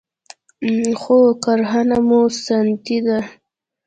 خو کرهنه مو سنتي ده